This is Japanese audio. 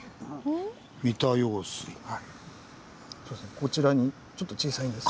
こちらにちょっと小さいんですが。